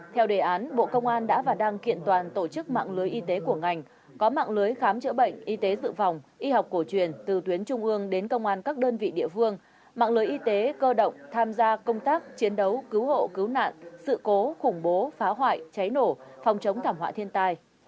theo đề án bộ công an đã và đang kiện toàn tổ chức mạng lưới y tế của ngành có mạng lưới khám chữa bệnh y tế dự phòng y học cổ truyền từ tuyến trung ương đến công an các đơn vị địa phương mạng lưới y tế cơ động tham gia công tác chiến đấu cứu hộ cứu nạn sự cố khủng bố phá hoại cháy nổ phòng chống thảm họa thiên tai